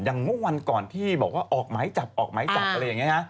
ยังเมื่อวันก่อนพี่บอกว่าออกไม้จับอะไรอย่างนี้ฮะ